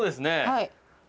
はい。